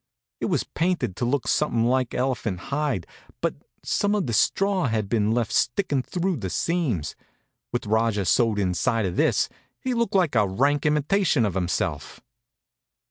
It was painted to look something like elephant hide, but some of the straw had been left sticking through the seams. With Rajah sewed inside of this, he looked like a rank imitation of himself.